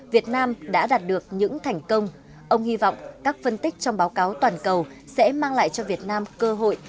việt nam đã đạt được những thành công ông hy vọng các phân tích trong báo cáo toàn cầu sẽ mang lại cho việt nam cơ hội